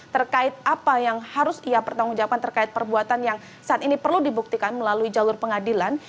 terkait apa yang harus ia pertanggungjawabkan terkait perbuatan yang saat ini perlu dibuktikan melalui jalur pengadilan